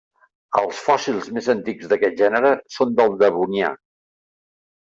Els fòssils més antics d'aquest gènere són del Devonià.